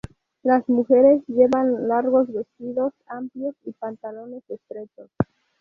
Las mujeres llevan largos vestidos amplios y pantalones estrechos.